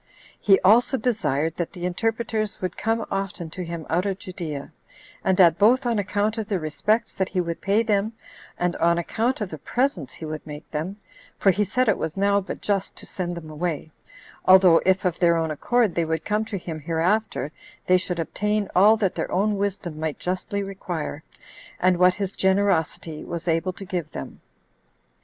He also desired that the interpreters would come often to him out of Judea, and that both on account of the respects that he would pay them, and on account of the presents he would make them; for he said it was now but just to send them away, although if, of their own accord, they would come to him hereafter, they should obtain all that their own wisdom might justly require, and what his generosity was able to give them.